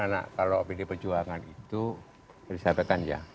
nah kalau pdip perjuangan itu disampaikan ya